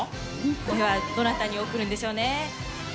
これはどなたに贈るんでしょうね。